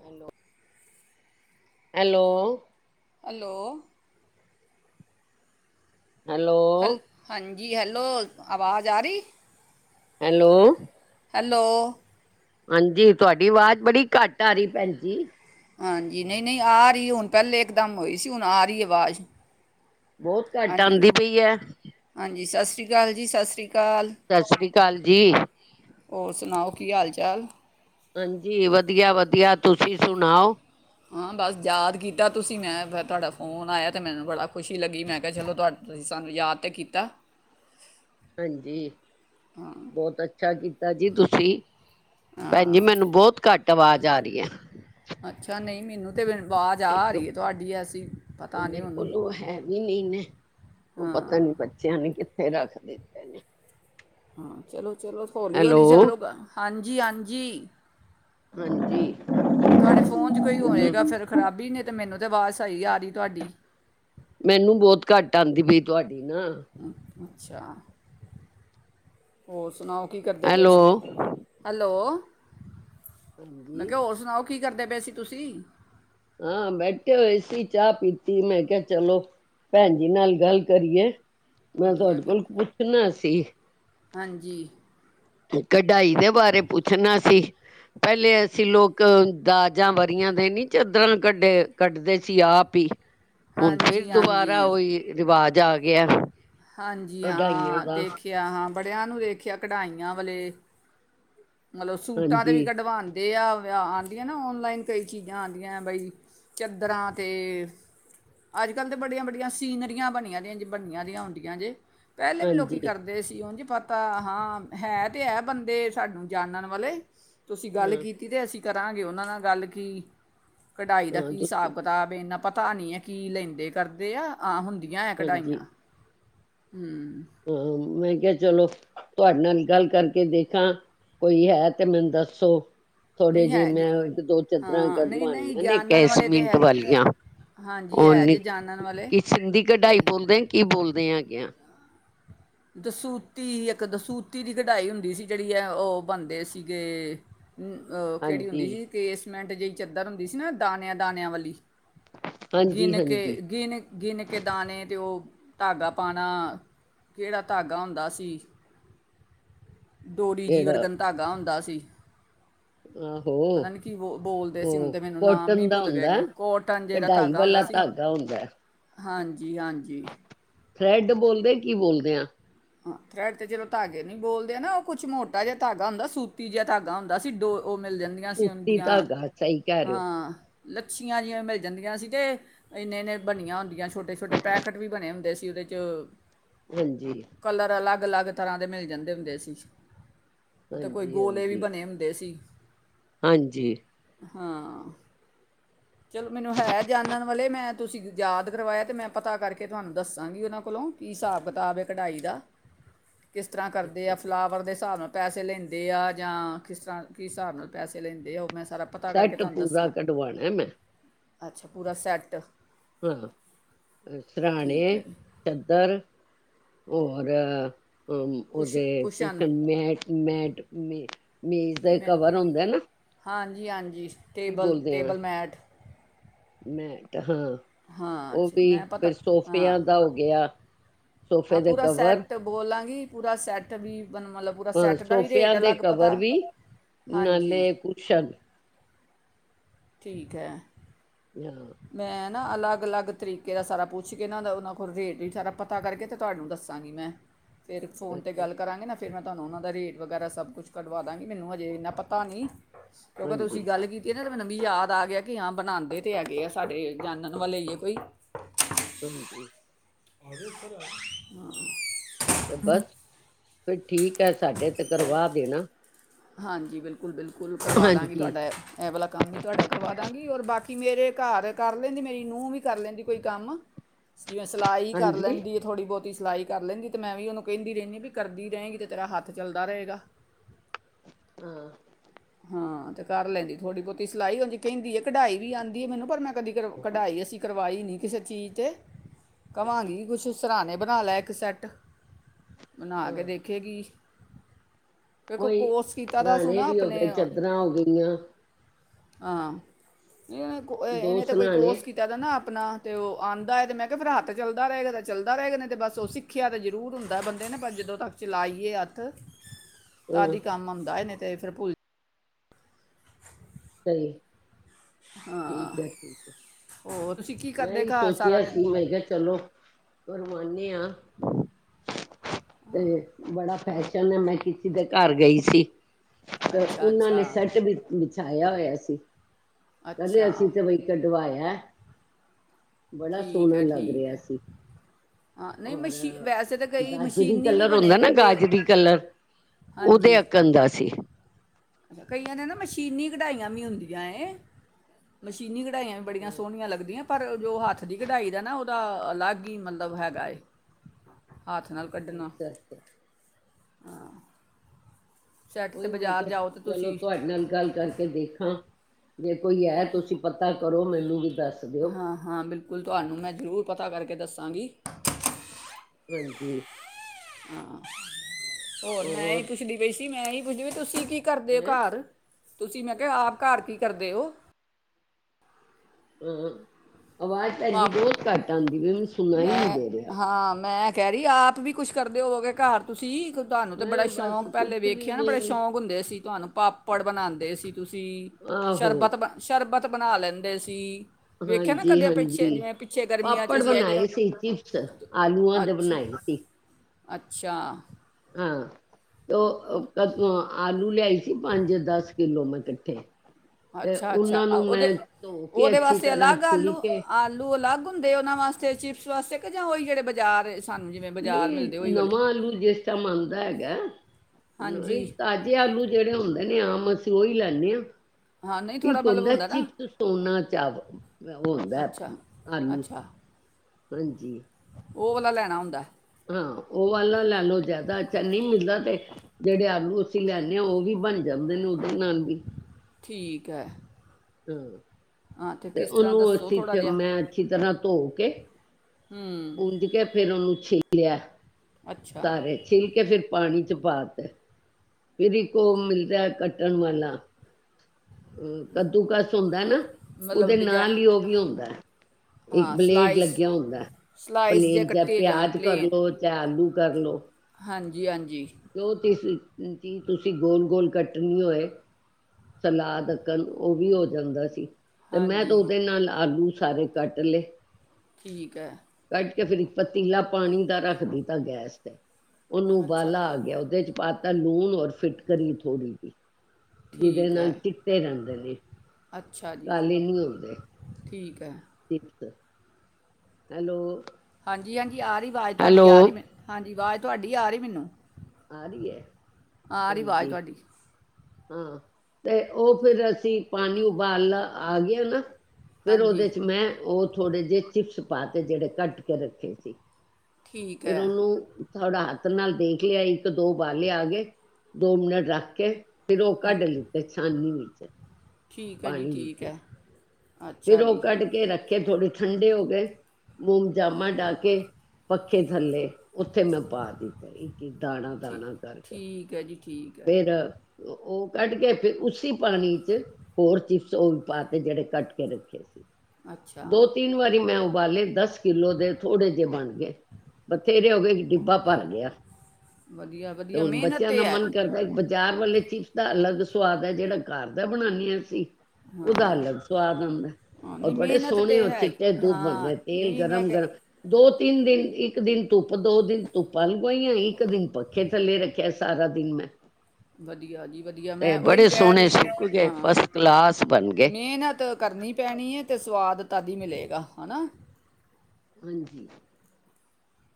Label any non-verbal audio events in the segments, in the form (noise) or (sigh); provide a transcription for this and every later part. Hello hello hello ਜੀ hello ਆਵਾਜ਼ ਆ ਰਹੀ ਹੈਲੋ ਹੈਲੋ ਹਾਂਜੀ ਤੁਹਾਡੀ ਆਵਾਜ਼ ਬੜੀ ਘੱਟ ਆ ਰਹੀ ਭੈਣ ਜਜੀ ਹਾਂਜੀ ਨਹੀਂ ਨਹੀਂ ਆ ਰਹੀ ਹੁਣ ਪਹਿਲੇ ਇਕਦਮ ਹੋਈ ਸੀ ਹੁਣ ਆ ਰਹੀ ਆਵਾਜ਼ ਬਹੁਤ ਘੱਟ ਆਉਂਦੀ ਪਈ ਹੈ ਸਤ ਸ਼ ਅਕਾਲ ਸਿ ਸ਼੍ਰੀ ਅਕਾਲ ਸਤਿ ਸ੍ਰੀ ਅਕਾਲ ਜੀ ਹੋਰ ਸੁਣਾਓ ਕੀ ਹਾਲ ਚਾਲ ਹਾਂਜੀ ਵਧੀਆ ਵਧੀਆ ਤੁਸੀਂ ਸੁਣਾਓ ਹਾਂ ਬਸ ਯਾਦ ਕੀਤਾ ਤੁਸੀਂ ਮੈਂ ਫ ਤੁਹਾਡਾ ਫ਼ੋਨ ਆਇਆ ਤੇ ਮੈਨੂੰ ਬੜਾ ਖੁਸ਼ੀ ਲੱਗੀ ਮੈਂ ਕਿਹਾ ਚਲੋ ਤੁ ਤੁਸੀਂ ਸਾਨੂੰ ਯਾਦ ਤਾਂ ਕੀਤਾ ਹਾਂਜੀ ਬਹੁਤ ਅੱਛਾ ਕੀਤਾ ਜੀ ਤੁਸੀਂ ਭੈਣ ਜ ਹਾਂ ਮੈਨੂੰ ਬਹੁਤ ਘੱਟ ਅਵਾਜ਼ ਆ ਰਹੀ ਹੈ ਅੱਛਾ ਨਹੀਂ ਮੈਨੂੰ ਤੇ ਆਵਾਜ਼ ਇੱਕ ਆ ਰਹੀ ਹੈ ਮਿੰਟ, ਤੁਹਾਡੀ ਐਸੀਂ ਪਤਾ ਨੀ ਉਹਨੂੰ ਤਨ ਉਹ ਪਤਾ ਨੀ ਬਚਿਆਂ ਨੇ ਕਿ ਥੇ ਰੱਖ ਦਿੱਤਾ ਨੇ ਹਾਂ ਚਲੋ ਚਲੋ ਹੌਲੀ ਹੈਲੋ ਹੌਲੀ ਚੱਲੋਗਾ ਹਾਂਜੀ ਜੀ ਹਾਂਜੀ ਹਾਂਜੀ ਤੁਹਾਡੇ ਫੋਨ ਚ ਕੋਈ ਹੋਏਗਾ ਫੇਿਰ ਖਰਾਬੀ ਨੇ ਤੇ ਮੈਨੂੰ ਉਹਦੇਵਾਜ਼ ਆਈ ਆ ਰਹੀ ਤੁਹਾਡੀ ਮੈਨੂੰ ਬਹੁਤ ਘੱਟ ਆਉਂਦੀ ਪਈ ਤੁਹਾਡੀ ਅ ਨਾ ਅੱਛਾ, ਹੋਰ ਸੁਣਾਓ ਕੀ ਕਰਦੇ ਪਏ ਸੀ। ਹੈਲੋ ਹੈਲੋ ਮੈਂ ਹਾਂਜੀ ਕਿਹਾ ਹੋਰ ਸੁਣਾਓ ਕੀ ਕਰਦੇ ਪਏ ਸੀ ਤੁਸੀ ਹਾਂ ਬੈਠੇ ਹੋਏ ਸੀ ਚਾਹ ਪੀਤੀ ਮੈਂ ਕਿਹਾ ਚਲੋ ਭੈਣਜੀ ਨਾਲ ਗੱਲ ਕਰੀਏ ਮੈਂ ਵਧੀਆ ਤੁਹਾਡੇ ਕੀ ਕੋਲ ਪੁੱਛਣਾ ਸੀ। ਸੀ ਹਾਂਜੀ ਕਢਾਈ ਦੇ ਬਾਰੇ ਪੁੱਛਣਾ ਸੀ। ਪਹਿਲੇ ਅਸੀ ਲੋਕ ਦਾਜਾਂ ਵਰੀਆਂ ਦੇ ਨੀ ਚਾਦਰਾਂ ਕੱਢੇ ਕੱਢਦੇ ਸੀ ਆਪ ਹੀ ਹੁਣ ਫੇਰ ਹਾਂਜੀ ਦੁਬਾਰਾ ਹਾਂਜੀ ਉਹੀ ਰਿਵਾਜ ਜਾ ਗਿਆ ਹਾਂਜੀ ਕਢਾਈਆਂ ਹਾਂ ਦਾ ਦੇਖਿਆ ਹਾਂ ਬੜਿਆਂ ਨੂੰ ਵੇਖਿਆ ਕਢਾਈਆਂ ਵਾਲੇ ਮਤਲਬ ਸੂਟਾਂ ਤੇ ਵੀ ਹਾਂਜੀ ਕੱਢਵਾਉਣ ਅਤੇ ਆ ਆਉਂਦੀਆਂ ਨਾ ਔਨਲਾਈਨ ਕਈ ਚੀਜ਼ਾਂ ਆਉਂਦੀਆਂ ਆਨਲਾਈਨ ਕਾਈ ਚੀਜਾ ਅਦੀਆਂ ਬਈ ਚਾਦਰਾਂ ਤੇ ਅੱਜ-ਕੱਲ ਤਾਂ ਬਡੀਆਂ ਵਡੀਆਂ ਸੀਨਰੀਆਂ ਬਣੀਆਂਆਂ ਜੀ ਬਣੀਆਂ ਦੀਆਂ ਹੁੰਦੀਆਂ ਜੇ ਪਹਿਲੇ ਵੀ ਲੋਕੀ ਹਾਂਜੀ ਕਰਦੇ ਸੀ ਉਝ ਪਤਾ ਹਾਂ ਹੈ, ਤੇ ਹੈ ਬੰਦੇ ਸਾਨੂੰ ਜਾਣਣ ਵਾਲੇ ਤੁਸੀ ਗੱਲ ਹਾਂ ਕੀਤੀ ਤੇ ਅਸੀ ਕਰਾਂਗੇ ਉਹਨਾਂ ਨਾਲ ਗੱਲ ਕੀ ਕਢਾਈ ਦਾ ਹਾਂ ਕੀ ਤੁਸੀਂ ਹਿਸਾਬ ਕਿਤਾਬ ਇਹਨਾ ਪਤਾ ਨੀ ਹੈ ਕੀ ਲੈਂਦੇ ਕਰਦੇ ਆ ਆਹ ਹੁੰਦੇ ਹਾਂਜੀ (inaudible) ਹਾਂ ਮੈਂ ਚਲੋ ਤੁਹਾਡੇ ਨਾਲ ਗੱਲ ਕਰਕੇ ਦੇਖਾਂ, ਕੋਈ ਹੈਤੇ ਮੈਨੂੰ ਦੱਸੋ ਥੋੜੇ ਨਹੀਂ ਜਿਹੇ ਹੈ ਜ ਮੈਂ ਇਕ ਦੋ ਚਦਰਾਂ ਹਾਂ ਨਹੀਂ ਨਹੀਂ ਕਢਵਾਉਾਨਆ ਨੇ ਕ ਜਾਣਨ ਐਸ ਵਾਲੇ ਤਾਂ ਮਿੰਟ ਹੈ ਵਾਲੀਆਂ। ਹਾਂਜੀ ਉਹ ਹੈ ਜੇ ਜਾਣਨ ਵਾਲੇ ਕਿਸ ਦੀ ਕਢਾਈ ਬੋਲਦੇ ਕੀ ਬੋਲਦੇ ਆ ਹੈਗੇਆ ਦਸੂਤੀ ਇਕ ਦਸੂਤੀ ਦੀ ਕਢਾਈ ਹੁੰਦੀ ਸੀ ਜਿਹੜੀ ਏ ਓ ਉਹ ਬੰਦੇ ਸੀਗੇ ਉਹ ਕਿਹੜੀ ਹੁੰਦੀ ਹਾਂਜੀ ਸੀ ਕੇਸ ਮਿੰਟ ਜਿਹੀ ਚਦਰ ਹੁੰਦੀ ਸੀ ਨਾ ਦਾਨਿਆ-ਦਾਨਿਆ ਵਾਲੀ ਹਾਂਜੀ ਹਾਂਜੀ ਗਿਨਕੇ, ਗਿਨ ਗਿਨਕੇ ਦਾਨੇ ਤੇ ਉਹ ਧਾਗਾ ਪਾਨਾ ਕਿਹੜਾ ਧਾਗਾ ਹੁੰਦਾ ਸੀ। ਡੋਰੀ ਜੀ ਕਿਹੜਾ ਵਰਗਨ ਧਾਗਾ ਹੁੰਦਾ ਸ ਤੇ ਆਹੋ ਪਤਾ ਨਹੀ ਕੀ ਬੋ ਬੋਲਦੇ ਸੀ ਹੁਨ ਉਹ ਮੈਨੂੰ ਨਾਮ ਹੀ ਕੋਟਨ ਦਾ ਭੁੱਲ ਗਏ ਹੁੰਦਾ ਜੇ ਕੋਟਨ ਜੇਦਾ ਕਢਾਈ ਧਾਗਾ ਹੁੰਦਾ ਵਾਲਾ ਸੀ ਧਾਗਾ ਹੁੰਦਾ ਹਾਂਜੀ-ਹਾਂਜੀ। ਥਰੈਡ ਬੋਲਦੇ ਕੀ ਬੋਲਦੇ ਆ। ਹਾਂ ਥਰੈਡ ਤੇ ਚਲੋ ਧਾਗੇ ਨੂੰ ਬੋਲਦੇ ਨਾ ਉਹ ਕੁਛ ਮੋਟਾ ਜਿਹਾ ਧਾਗਾ ਹੁੰਦਾ ਸੂਤੀ ਜਿਹਾ ਧਾਗਾ ਹੁੰਦਾ ਸੀ ਡੋ ਉਹ ਮਿਲ ਜਾਂਦੀਆਂ ਸੀ ਉਹ ਸੂਤੀ ਦੀਆਂ ਧਾਗਾ ਸਹੀ ਕਹਿ ਰਹੇ ਹੋ ਹਾਂ। ਲੱਛੀਆ ਜਿਵੇਂ ਮਿਲ ਜਾਂਦੀਆਂ ਸੀ ਅਤੇ ਇੰਨੇ-ਇੰਨੇ ਬਣੀਆਂ ਹੁੰਦੀਆਂ ਛੋਟੇ-ਛੋਟੇ ਪੈਕੇਟ ਵੀ ਬਣੇ ਹੁੰਦੇ ਸੀ ਉਹਦੇ ਚ ਹਾਂਜੀ ਕਲਰ ਅਲੱਗ-ਅਲੱਗ ਤਰ੍ਹਾਂ ਦੇ ਮਿਲ ਜਾਂਦੇ ਹੁੰਦੇ ਸੀ। ਤੇ ਕੋਈ ਹਾਂਜੀ ਗੋਲੇ ਵੀ ਹਾਂਜੀ ਬਣੇ ਹੁੰਦੇ ਸੀ। ਹਾਂਜੀ ਹਾਂ ਚਲੋ ਮੈਨੂੰ ਹੈ ਜਾਨਣ ਵਾਲੇ ਮੈਂ ਤੁਸੀਂ ਯਾਦ ਕਰਵਾਇਆ ਤੇ ਮੈਂ ਪਤਾ ਕਰਕੇ ਤੁਹਾਨੂੰ ਦੱਸਾਂਗੀ ਉਹਨਾਂ ਕੋਲੋਂ ਕੀ ਹਿਸਾਬ-ਕਿਤਾਬ ਹੈ ਕਢਾਈ ਦਾ। ਕਿਸ ਤਰ੍ਹਾਂ ਕਰਦੇ ਆ ਫਲਾਵਰ ਦੇ ਹਿਸਾਬ ਨਾਲ ਪੈਸੇ ਲੈਂਦੇ ਆ ਜਾਂ ਕਿਸ ਤਰ੍ਹਾਂ ਕਿਸ ਹਿਸਾਬ ਨਾਲ ਪੈਸੇ ਲੈਂਦੇ ਆ ਉਹ ਮੈਂ ਸਾਰਾ ਪਤਾ ਕਰਕੇ ਸੈਟ ਤੁਹਾਨੂੰ ਪੂਰਾ ਦੱਸਾਂ ਕਢਵਾਣਾ ਮੈਂ। ਅੱਛਾ ਪੂਰਾ ਸੈੱਟ। ਹਾਂ ਠੀਕ ਸਰਾਣੇ, ਹੈ ਚੱਦਰ ਹੋਰ ਅਮ ਕੁਸ਼ ਉਹਦੇ ਕੁਛ ਕੁਸ਼ਨ ਮੈ ਮੈਟ ਮੇਜ਼ ਦਾ ਮੈਂ ਕਵਰ ਹੁੰਦਾ ਨਾ ਹਾਂਜੀ ਹਾਂਜੀ ਕੀ ਟੇਬਲ ਬੋਲਦੇ ਆ ਟੇਬਲ ਮੈਟ ਮੈਂ ਤਾਂ ਹਾਂ ਹਾਂ ਉਹ ਅੱਛਾ ਵੀ ਮੈਂ ਫਿਰ ਪਤਾ ਸੋਫਿਆਂ ਹਾਂ ਦਾ ਹੋ ਗਿਆ। ਸੋਫੇ ਦੇ ਕਵਰ ਦਾਗੀ ਪੂਰਾ ਸੈੱਟ ਵੀ ਬਣ- ਮਤਲਬ ਪੂਰਾ ਹਾਂ ਸੈੱਟ ਦਾ ਵੀ ਸੋਫਿਆਂ ਰੇਟ ਦੇ ਅਲੱਗ ਕਵਰ ਪਤਾ ਵੀ ਹਾਂਜੀ ਨਾਲੇ ਕੁਸ਼ਨ। ਠੀਕ ਹੈ। ਹਾਂ। ਮੈਂ ਨਾ ਅਲੱਗ-ਅਲੱਗ ਤਰੀਕੇ ਦਾ ਸਾਰਾ ਪੁੱਛ ਕੇ ਇਹ ਦਾ ਉਹਨਾਂ ਕੋਲ ਰੇਟ ਵੀ ਸਾਰਾ ਪਤਾ ਕਰਕੇ ਤੇ ਤੁਹਾਨੂੰ ਦੱਸਾਂਗੀ ਮੈਂ। ਫੇਰ ਫੋਨ ਤੇ ਅੱਛਾ ਗੱਲ ਕਰਾਂਗੇ ਨਾ ਫਿਰ ਮੈਂ ਤੁਹਾਨੂੰ ਉਹਨਾਂ ਦਾ ਰੇਟ ਵਗੈਰਾ ਸਭ ਕੁੱਛ ਕਢਵਾ ਦਾਂਗੀ ਮੈਨੂੰ ਹਜੇ ਇੰਨਾ ਪਤਾ ਨੀ ਕਿਉਂਕਿ ਤੁਸੀਂ ਹਾਂਜੀ ਗੱਲ ਕੀਤੀ ਹੈ ਮੈਨੂੰ ਵੀ ਯਾਦ ਆ ਗਿਆ ਕਿ ਹਾਂ ਬਣਾਉਂਦੇ ਤੇ ਹੈਗੇ ਆ ਸਾਡੇ ਜਾਨਣ ਵੱਲ ਲਈਏ ਕੋਈ ਹਾਂਜੀ ਹ ਤ ਤੇ ਬਸ ਫਿਰ ਠੀਕ ਸਾਡੇ ਤੇ ਕਰਵਾ ਦੇਣਾ ਹਾਂਜੀ ਬਿਲਕੁਲ ਬਿਲਕੁਲ ੂਲ ਕਰਵਾ ਦਾਂਗੀ ਹਾਂਜੀ ਤੁਹਾਡਾ ਇਹ ਵਾਲਾ ਕੰਮ ਵੀ ਤੁਹਾਡਾ ਕਰਵਾ ਦਾਂਗੀ ਔਰ ਬਾਕੀ ਕਿ ਮੇਰੇ ਘਰ ਕਰ ਲੈਂਦੀ ਮੇਰੀ ਨ ਨੂੰਹ ਵੀ ਕਰ ਲੈਂਦੀ ਕੋਈ ਕੰਮ ਜਿਵੇਂ ਸਿਈ ਹੀ ਕਰ ਹਾਂਜੀ ਲੈਂਦੀ ਹੈ ਥੋੜ੍ਹੀ ਬਹੁਤ ਸਿਲਾਈ ਕਰ ਲੈਂਦੀ ਤੇ ਮੈਂ ਵੀ ਉਹਨੂੰ ਕਹਿੰਦੀ ਰਹਿੰਦੀ ਵੀ ਕਰਦੀ ਰਹੇਗੀ ਤੇ ਤੇਰਾ ਹੱਥ ਚੱਲਦਾ ਰਹੇਗਾ ਹਾਂ ਹਾਂ ਤੇ ਕਰ ਲੈਂਦੀ ਥੋੜ੍ਹੀ ਬਹੁਤੀ ਸਿਲਾਈ ਹਹੀ ਕਹਿੰਦੀ ਹੈ ਕਢਾਈ ਵੀ ਆਉਂਦੀ ਹੈ ਮੈਨੂੰ ਪਰ ਮੈਂ ਕਦੀਰ ਕਢਾਈ ਅਸੀਂ ਦਵਾਈ ਨਹੀਂ ਕਿਸੇ ਚੀਜ਼ 'ਤੇ ਕਵਾਂਗੀ ਕੁੱਛ ਸਰਹਣੇ ਬਣਾ ਲੈ ਇੱਕ ਸੈੱਟ ਬਣਾ ਹਾਂ ਕੇ ਦੇਖੇਗੀ ਦੇਖੋ ਕੋਰਸ ਕੀਤਾ ਤਾਂ ਸੁ ਨਾ ਤੇ ਚਾਦਰਦਰਾਂ ਹੋ ਗਈਆਂ ਆਾਂ ਦੋ ਇਹਨੇ ਤੇ ਕੋਈ ਸਰਾਣੇ ਕੋਰਸ ਕੀਤਾ ਤਾਂ ਨਾ ਆਪਣਾ ਤੇ ਉਹ ਆਉਂਦਾ ਹੈ ਤੇ ਮੈਂ ਕਿਹਾ ਫਿਰ ਹੱਥ ਚੱਲਦਾ ਰਹੇਗਾ ਚੱਲਦਾ ਰਹੇਗਾ ਤੇ ਬਸ ਉਹ ਸਿੱਖਿਆ ਤਾਂ ਜ਼ਰੂਰ ਹੁੰਦਾ ਬੰਦੇ ਨੇ ਪੰਜ ਜਦੋੋਂ ਤੱਕ ਚਲਾਈਏ ਹੱਥ ਹਮ ਤਾਡੀ ਕੰਮ ਆਉਂਦਾ ਨਹੀਂ ਅਤੇ ਫਿਰੂਜ ਸਹੀ ਹਾਂ ਠੀਕ ਹੈ ਠੀਕ ਹੈ ਹੋਰ ਮੈਂ ਹੀ ਸੋਚਿਆ ਸੀ ਮੈਂ ਕਿਹਾ ਚਲੋ ਗੁਰਮਾਨੇ ਹਾਂ ਤੇ ਬੜਾ ਫੈਲ ਮੈਂ ਕਿੇ ਦੇ ਘਰ ਗਈ ਸੀ ਤੇ ਅੱਛਾ ਉਹਨਾਂ ਅੱਛਾ ਨੇ ਸੈੱਟ ਵੀ ਵਿੱਚ ਛਾਇਆ ਹੋਇਆ ਸੀ ਕਹਿੰਦੇ, ਅੱਛਾ ਅਸੀਂ ਤੇ ਬਈ ਕਢਵਾਇਆ। ਹੈਂ, ਬੜਾ ਠੀਕ ਸੋਹਣਾ ਹੈ ਲੱਗ ਠੀਕ ਰਿਹਾ ਹੈ ਸੀ, ਹਾਂ ਨਹੀਂ ਔਰ ਮਸ਼ੀ ਵੈਸੇ ਤਾਂ ਕਈ ਗਾਜਰੀ ਮਸ਼ੀਨੀ ਵੀ ਕਲਰ ਹੁੰਦਾ ਬਣੇ ਨਾ, ਕੱਢੇ ਗਾਜਰੀ ਕਲਰ ਉਹਦੇ ਅਕਣ ਦਾ ਸੀ। ਅੱ ਕਈਆਂ ਨੇ ਨਾ, ਮਸ਼ੀਨੀ ਕਢਾਈਆਂ ਵੀ ਹੁੰਦੀਆਂ ਇਹ ਮਸ਼ੀਨੀ ਕਢਾਈਆਂ ਵੀ ਬੜੀਆਂ ਹਾਂ ਸੋਹਣੀਆਂ ਲੱਗਦੀਆਂ। ਪਰ ਜੋ ਹੱਥ ਦੀ ਕਢਾਈ, ਦਾ ਨਾ ਉਹਦਾ ਅਲੱਗ ਹੀ ਮਤਲਬ ਹੈਗਾ ਏ। ਹੱਥ ਨਾਲ ਕੱਢਣਾ ਅੱਛਾ ਅੱਛਾ ਹਾਂ ਉਹੀ ਮੈਂ ਕਿਹਾ, ਚਲੋ ਤੁਸੀਂ ਤੁਹਾਡੇ ਨਾਲ ਗੱਲ ਕਰਕੇ ਦੇਖਾਂ ਜੇ ਕੋਈ ਹੈ ਤੁਸੀਂ ਪਤਾ ਕਰੋ ਮੈਨੂੰ ਵੀ ਦੱਸ ਦਿਓ ਹਾਂ -ਹਾਂ ਬਿਲਕੁਲ ਤੁਹਾਨੂੰ ਮੈਂ ਜ਼ਰੂਰ ਪਤਾ ਕਰਕੇ ਦੱਸਾਂਗੀ। ਹਾਂਜੀ ਹਾਂ ਹੋਰ ਮੈਂ ਇਹ ਪੁੱਛਦੀ ਪਈ ਸੀ, ਮੈ ਹੁਣ ਜਿਵੇਂ ਤੁਸੀਂ ਕੀ ਕਰਦੇ ਉਹ ਹੈਂ ਘਰ? ਤੁਸੀਂ, ਮੈਂ ਕਿਹਾ ਆਪ ਘਰ ਕੀ ਕਰਦੇ ਹੋ? ਹਮ ਆਵਾਜ਼ ਤੈਡੀ ਪਾਪ ਬਹੁਤ ਘੱਟ ਆਉਂਦੀ, ਮੈਨੂੰ ਸੁਣਾਈ ਨਹੀਂ ਮੈਂ ਦੇ ਰਿਹਾ। ਹਾਂ ਮੈਂ ਕਹਿ ਰਹੀ, ਆਪ ਵੀ ਕੁੱਛ ਕਰਦੇ ਹੋਵੋਗੇ ਘਰ ਤੁਸੀਂ? ਤੁਹਾਨੂੰ ਤੇ ਬੜਾ ਮੈਂ ਬਸ ਸ਼ੌਂਕ, ਪਹਿਲੇ ਕੁਛ ਵੀ ਵੇਖਿਆ ਨਾ ਬੜੇ ਨਹੀਂ ਸ਼ੌਕ ਹੁੰਦੇ ਸੀ, ਤੁਹਾਨੂੰ ਪਾਪੜ ਬਣਾਉਂਦੇ ਸੀ, ਤੁਸੀਂ ਆਹੋ ਸ਼ਰਬਤ -ਸ਼ਰਬਤ ਬਣਾ ਲੈਂਦੇ ਸੀ। ਵੇਖਿਆ ਨਾ ਹਾਂਜੀ- ਕਦੇ ਹਾਂਜੀ ਪਿੱਛੇ ਜਿਵੇਂ ਪਿੱਛੇ ਗਰਮੀਆਂ 'ਚ ਪਾਪੜ ਅਸੀਂ ਆਏ ਤੇ ਬਣਾਏ ਸੀ, ਚਿਪਸ ਆਲੂਆਂ ਦੇ ਅੱਛਾ ਬਣਾਏ ਸੀ। ਅੱਛਾ ਹਾਂ ਉਹ, ਆਲੂ ਲਿਆਈ ਸੀ ਪੰਜ ਦਸ ਕਿਲੋ ਮੈਂ ਕੱਠੇ ਅੱਛਾ -ਅੱਛਾ, ਉਹਦੇ ਧੋ ਕੇ -ਉਹਦੇ ਅੱਛੀ ਵਾਸਤੇ ਤਰ੍ਹਾਂ ਅਲੱਗ ਆ ਛਿੱਲ ਆਲੂ ਕੇ ਆਲੂ ਅਲੱਗ ਹੁੰਦੇ ਉਹਨਾਂ ਵਾਸਤੇ ਚਿਪਸ ਵਾਸਤੇ ਜਾਂ ਉਹੀ ਜਿਹੜੇ ਬਾਜ਼ਾਰ ਸਾਨੂੰ ਜਿਵੇਂ ਬਾਜ਼ਾਰ ਮਿਲਦੇ ਨਹੀਂ ਉਹੀ ਵਾਲੇ ਨਵਾਂ ਆਲੂ ਜਿਸ ਟਾਈਮ ਆਉਂਦਾ ਹੈਗਾ, ਹਾਂਜੀ ਤਾਜ਼ੇ ਆਲੂ ਜਿਹੜੇ ਹੁੰਦੇ ਨੇ ਆਮ ਉਹੀ ਲੈਂਦੇ ਹਾਂ। ਹਾਂ ਨਹੀਂ ਥੋੜਾ ਮਤਲਬ ਕੀਕੁੰਦਾ ਹੁੰਦਾ ਚੀ ਨਾ ਸੋਨਾ ਚ ਹੁੰਦਾ ਅੱਛਾ ਆਾਨੂੰ ਅੱਛਾ ਹਾਂਜੀ ਉਹ ਵਾਲਲਾ ਲੈਣਾ ਹੁੰਦਾ ਹਾਂ ਉਹ ਵਾਲਾ ਲੈ ਲਓ ਜ਼ਿਆਦਾ ਅੱਛਾ ਨਹੀਂ ਮਿਲਦਾ ਤੇ ਜਿਹੜੇ ਆਲੂ ਅਸੀਂ ਲੈਦੇ ਹਾਂ ਉਹ ਵੀ ਬਣ ਜਾਂਦੇ ਨੇ ਉਹਦੇ ਨਾਲ ਵੀ ਠੀਕ ਹੈ ਹਮ ਹਾਂ ਤੇ ਕਿਸ ਤਰ੍ਹਾਂ ਉਹਨੂੰ ਦੱਸੋ ਅੱੀ ਥੋੜਾ ਮੈਂ ਅੱਛੀ ਤਰ੍ਹਾਂ ਧ ਕੇ ਹੂੰ। ਉੰਝ ਕੇ ਫੇਰ ਉਹਨੂੰ ਛਿਲ ਲਿਆ। ਸਾਰੇ ਛਿਲ ਕੇ ਫਿਰ ਪਾਣੀ ਚ ਪਾ ਤੇ ਫਿਰ ਇੱਕ ਔ ਮਿਲਦਾ ਕੱਟਣ ਵਾਲਾ ਅ ਕੱਦੂਕਸ ਹੁੰਦਾ ਨਾ, ਉਹਦੇ ਮਤਲਬ ਡਿਜ਼ਾਈਨ ਨਾਲ ਹੀ ਉਹ ਵੀ ਹੁੰਦਾ। ਇੱਕ ਹਾਂ ਬਲੇਡ ਸਲਾਈਸ ਲੱਗਿਆ ਹੁੰਦਾ ਹੈ ਸਲਾਈਸ ਜੇ ਪਲੇਨ ਜਾ। ਕੱਟੇ ਜਾਣ ਪਿਆਜ ਪਲੇਨ ਕਰਲੋ ਚਾਹੇ ਆਲੂ ਕਰ ਲੋ। ਹਾਂਜੀ। ਜੀ ਹਾਂਜੀ। ਜੀ ਤੁਸੀਂ ਗੋਲ ਗੋਲ ਕੱਟਣੀ ਹੋਏ ਸਲਾਦ ਅਕਣ ਉਹ ਵੀ ਹੋ ਜਾਂਦਾ ਸੀ। ਤੇ ਮੈਂ ਤੇ ਹਾਂਜੀ ਉਹਦੇ ਨਾਲ ਆਲੂ ਸਾਰੇ ਕੱਟ ਲਏ ਠੀਕ ਹੈ। ਕੱਟ ਫਿਰ ਇੱਕ ਪਤੀਲਾ ਪਾਣੀ ਦਾ ਰੱਖ ਦਿੱਤਾ ਗੈਸ ਤੇ ਉਹਨੂੰ ਅੱਛਾ ਵਾਲਾ ਆ ਗਿਆ ਉਹਦੇ ਚ ਪਾ ਤਾ ਲੂਣ ਹੋਰ ਫਿਟਕਰੀ ਥੋੜੀ ਜੀ। ਜਿਹਦੇ ਠੀਕ ਨਾਲ ਹੈ ਚਿੱਟੇ ਰਹਿੰਦੇ ਨੇ ਅੱਛਾ ਜੀ ਕਾਲੇ ਨੀ ਹੂੰਦੇ ਠੀਕ ਹੈ ਤ ਹੈਲੋ ਹਾਂਜੀ ਹਾਂਜ ਆ ਰਹੀ ਆਵਾਜ਼ ਹੈਲੋ ਤੁਹਾਡੀ ਆ ਰਹੀ ਮੈਨੂੰ ਹਾਂਜੀ ਆਵਾਜ਼ ਤੁਹਾਡੀ ਆ ਰਹੀ ਮੈਨੂੰ। ਆ ਰਹੀ ਹੈ, ਆ ਰਹੀ ਆਵਾਜ਼ ਹਾਂਜੀ। ਤੁਹਾਡੀ ਹਾਂ ਤੇ ਉਹ ਫਿਰ ਅਸੀਂ ਪਾਣੀ ਉਬਾਲਾ ਆ ਗਿਆ ਨਾ ਫੇਰ ਹਾਂਜੀ ਉਹਦੇ ਚ ਮੈਂ ਉਹ ਥੋੜੇ ਜਿਹੇ ਚਿਪਸ ਪਾ ਤੇ ਜਿਹੜੇ ਕੱਟ ਕੇ ਰੱਖੇ ਸੀ। ਠੀਕ ਫਿਰ ਹੈ ਉਹਨੂੰ ਥੋੜ੍ਹਾ ਹੱਥ ਨਾਲ ਦੇਖ ਲਿਆ ਇੱਕ ਦੋ ਵਾਲੇ ਆ ਗਏ, ਦੋ ਮਿੰਟ ਰੱਖ ਕੇ ਫਿਰ ਉਹ ਹਾਂ ਕਢ ਲਿਤੇ ਛਾਨਨੀ ਵਿਚ ਚ ਠੀਕ ਹੈ ਜੀ, ਠੀਕ ਹੈ। ਫਿਰ ਅੱਛਾ ਉਹ ਜੀ ਕੱਢ ਕੇ ਰੱਖ ਥੋੜੇ ਠੰਡੇ ਹੋ ਗਏ, ਮੋਮਜਮਾ ਡਾਹ ਕੇ ਪੱਖੇ ਥੱਲੇ ਉੱਥੇ ਮੈਂ ਪਾ ਦਿੱਤੇ। ਕਿ ਦਾਣਾ ਠੀਕ ਦਾਣਾ ਕਰਕੇ ਠੀਕ ਹੈ ਜੀ ਠੀਕ ਹੈ ਫੇਰ ਉਹ ਕੱਢ ਕੇ ਫਿਰ ਉਸਸੀ ਪਾਣੀ ਚ ਹੋਰ ਚਿਪਸ ਉਹ ਵੀ ਪਾਤੇ ਜਿਹੜੇ ਕੱਟ ਕੇ ਰੱਖਿਆ ਸੀ ਅੱਛਾ ਦੋ ਤਿੰਨ ਵਾਰੀ ਮੈਂ ਉਬਾਲੇ ਦਸ ਕਿੱਲੋ ਦੇ ਥੋੜੇ ਜਿਹੇ ਬਣ ਗਏ ਬਥੇਰੇ ਹੋ ਗਏ ਡਿੱਬਾ ਭਰ ਗਿਆ ਵਧੀਆ ਤੇ ਵਧੀਆ ਹੁਣ ਮਿਹਨਤ ਬੱਚਿਆਂ ਦਾ ਤੇ ਹੈ ਮਨ ਕਰਦਾ ਇੱਕ ਬ ਚਾਰ ਵਾਲੇ ਚਿਪਸ ਦਾ ਅਲੱਗ ਸਵਾਦ ਹੈ ਜਿਹੜਾ ਘਰ ਦਾ ਬਣਾਉਂਦੇ ਹਾਂ ਅਸੀਂ ਉਦਾਹਰਣ ਸ ਹਾਂ ਔਰ ਨਹੀਂ ਬੜੇ ਮਿਹਨਤ ਸੋਹਣੇ ਤੇ ਔਰ ਹੈ ਚਿੱਟੇ ਦੁੱਧ ਹਾਂ ਬਣਦੇ ਤੇਲ ਨਹੀਂ ਮੈਂ ਗਰਮ ਕਹਿ ਗਰਮ ਦੋ ਤਿੰਨ ਦਿਨ ਇੱਕ ਦਿਨ ਧੁੱਪ ਦੋ ਦਿਨ ਧੁੱਪਾਂ ਲਗਵਾਈਆਂ ਇੱਕ ਦਿਨ ਪੱਖੇ ਥੱਲੇ ਰੱਖਿਆ ਸਾਰਾ ਦਿਨ ਮੈਂ ਵਧੀਆ ਜੀ ਵਧੀਆ ਤੇ ਮੈਂ ਉਹੀ ਬੜੇ ਕਹਿ ਸੋਹਣੇ ਰਹੀ ਹਾਂ ਸੁੱਕ ਗਏ ਹਾਂ ਫਸਟ ਕਲਾਸ ਬਣ ਗਏ ਮਿਹਨਤ ਕਰਨੀ ਪੈਣੀ ਹੈ ਤੇ ਸਵਾਦ ਤਾਦੀ ਮਿਲੇਗਾ ਹਨਾ ਹਾਂਜੀ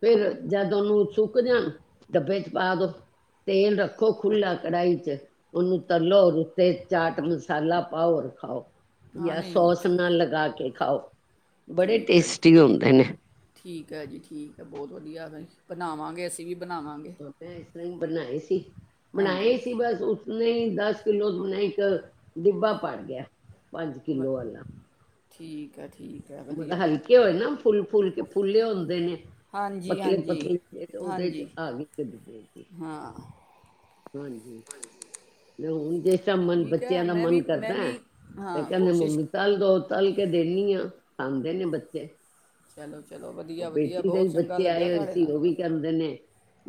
ਫਿਰ ਜਦ ਨੂੰ ਸੁੱਕ ਜਾਣ ਡੱਬੇ ਚ ਪਾ ਦੋ ਤੇਲ ਰੱਖੋ ਖੁਲਾ ਕੜਾਹੀ ਚ ਓਨੂੰ ਤਲੋ ਰ ਉਤੇ ਚਾਟ ਮਸਾਲਾ ਪਾਓ ਔਰ ਖਾਓ ਹਾਂ ਜਾਂ ਨਹੀਂ ਸੋਸ ਨਾਲ ਲਗਾ ਕੇ ਖਾਓ ਬੜੇ ਠੀਕ ਹੈ ਜੀ ਟੇਸਟੀ ਹਦੇ ਠੀਕ ਹੈ ਜੀ ਠੀਕ ਹੈ ਬਹੁਤ ਵਧੀਆ ਬਣਾਵਾਂਗੇ ਅਸੀਂ ਵੀ ਬਣਾਵਾਂਗੇ ਹ ਮੈਂ ਇਸ ਤਰ ਹੀ ਬਣਾਏ ਸੀ ਬਣਾਏ ਹੀ ਹਾਂਜੀ ਸੀ ਬਸ ਨਹੀਂ ਦਸ ਕਿੱਲੋ ਤੋਂ ਬਨਾ ਇੱਕ ਡਿਬਾ ਪੜ ਗਿਆ ਪੰਜ ਬ ਕਿੱਲੋ ਵਾਲਾ ਠੀਕ ਹੈ ਠੀਕ ਹੈ ਮਤਲਬ ਵਧੀਆ ਹਲਕੇ ਹੋਏ ਨਾ ਫੁੱਲ ਫੁੱਲ ਕੇ ਫੁੱਲੇ ਹੁੰਦੇ ਨੇ ਹਾਂਜੀ ਪਤਲੇ ਹਾਂਜੀ ਪਤਲੇ ਤੇ ਉਹਦੇ ਚ ਹਾਂਜੀ ਆ ਗ ਕ ਪਈ ਹਾਂ ਹਾਂਜੀ ਮੁ ਜੇ ਾ ਮਨ ਠੀਕ ਹੈ ਬੱਚਿਆਂ ਦਾ ਮੈਂ ਵੀ ਮਨ ਮੈਂ ਕਰਦਾ ਵੀ ਤੇ ਹਾਂ ਕਹਿੰਦੇ ਕੋਸ਼ਿਸ਼ ਮੰਮੀ ਤੱਲ ਦੋ ਤਲ ਕੇ ਦਿੰਦੀ ਹਾਂ ਆਉਂਦੇ ਨੇ ਬੱਚੇ ਚਲੋ ਚਲੋ ਉਹ ਵਧੀਆ ਵਧੀਆ ਬੇਟੀ ਦੇ ਵੀ ਬਹੁਤ ਚੰਗਾ ਬੱਚੇ ਆਏ ਲੱਗਾ ਹੋਏ ਤੁਹਾਡੇ ਸੀ ਨਾਲ ਉਹ ਵੀ ਕਰਦੇ ਨੇ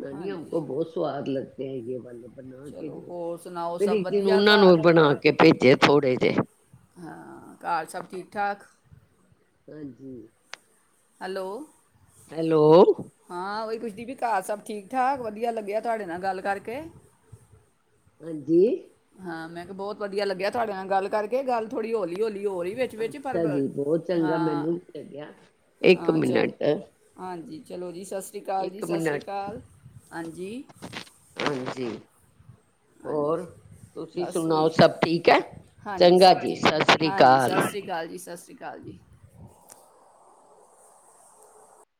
ਨਾਨੀ ਅਕ ਹਾਂਜੀ ਬਹੁਤ ਸਵਾਦ ਲੱਗਦਾ ਤੇਗੀ ਬੱਲ ਬਣਾ ਕੇ ਚਲੋ ਦਿਓ ਹੋਰ ਸੁਣਾਓ ਫਿਰ ਸਭ ਇੱਕ ਦਿਨ ਵਧੀਆ ਉਹਨਾਂ ਨੂੰ ਘਰ ਬਣਾ ਕੇ ਭੇਜਿਆ ਥੋੜੇ ਤੇ ਹਾਂ ਘਰ ਸਭ ਠੀਕ ਠਾਕ ਹਾਂਜੀ ਹੈਲੋ ਹੈਲੋ ਹਾਂ ਉਹੀ ਕੁਛਦੀ ਵੀ ਘਰ ਸਭ ਠੀਕ ਠਾਕ ਵਧੀਆ ਲੱਗਿਆ ਤੁਹਾਡੇ ਨਾਲ ਗੱਲ ਕਰਕੇ ਹਾਂਜੀ ਹਾਂ ਮੈਂ ਕਿਹਾ ਬਹੁਤ ਵਧੀਆ ਲੱਗਿਆ ਤੁਹਾਡੇ ਨਾਲ ਗੱਲ ਕਰਕੇ ਗੱਲ ਥੋੜ੍ਹੀ ਹਲੀ ਹੌਲੀ ਹੋ ਰਹੀ ਵਿੱਚ ਵਿੱਚ ਪਰ ਅੱਛਾ ਬ- ਜੀ ਬਹੁਤ ਚੰਗਾ ਹਾਂ ਮੈਨੂੰ ਵੀ ਲੱਗਿਆ ਇੱਕ ਹਾਂ ਚਲੋ ਮਿੰਟ ਹਾਂਜੀ ਚਲੋ ਜੀ ਸਤਿ ਸ਼੍ਰੀ ਅਕਾਲ ਜੀ ਇੱਕ ਸਤਿ ਸ਼੍ਰੀ ਮਿੰਟ ਅਕਾਲ ਹਾਂਜੀ ਹਾਂਜੀ ਹਾਂਜੀ ਹੋਰ ਤੁਸੀਂ ਬਸ ਉਓਹੀ ਸੁਣਾਓ ਸਭ ਠੀਕ ਹੈ? ਹਾਂਜੀ ਚੰਗਾ ਸਭ ਜੀ ਠੀਕ ਸਤਿ ਸ੍ਰੀ ਹਾਂਜੀ ਸਤਿ ਅਕਾਲ। ਸ਼੍ਰੀ ਅਕਾਲ ਜੀ ਸਤਿ ਸ਼੍ਰੀ ਅਕਾਲ ਚੱਲ ਜੀ